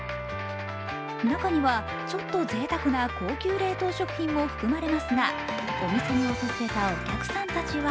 中には、ちょっとぜいたくな高級冷凍食品も含まれますがお店に訪れたお客さんたちは